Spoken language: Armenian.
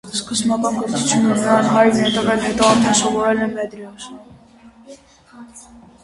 Սկզբնական կրթությունը նրան հայրն է տվել, հետո արդեն սովորել է մեդրեսեում։